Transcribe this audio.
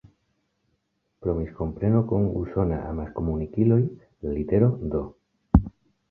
Pro miskompreno kun usonaj amaskomunikiloj, la literoj "D.